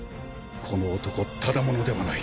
この男ただ者ではない。